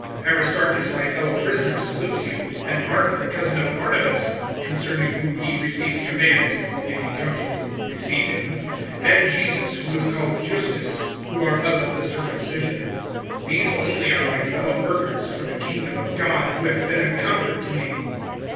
(10)Aristarchus my fellow prisoner salutes you, and Mark the cousin of Barnabas, concerning whom ye received commands (if he come to you, receive him), (11)and Jesus, who is called Justus, who are of the circumcision. These only are my fellow workers, for the kingdom of God, who have been a comfort to me.